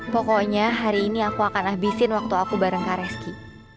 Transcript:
pokoknya hari ini aku akan habisin waktu aku bareng kak reski